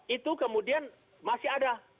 itu kemudian masih ada